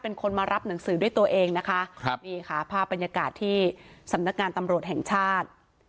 เป็นคนมารับหนังสือด้วยตัวเองนะคะครับนี่ค่ะภาพบรรยากาศที่สำนักงานตำรวจแห่งชาติ